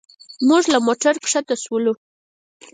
موږ له موټر ښکته شولو.